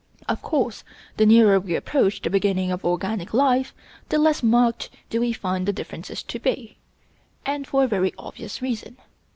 Of course, the nearer we approach the beginning of organic life, the less marked do we find the differences to be; and for a very obvious reason.